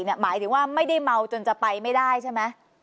หมายถึงว่าไม่ได้เมาจนจะไปไม่ได้ใช่ไหม